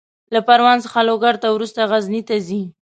له پروان څخه لوګر ته، وروسته غزني ته ځي.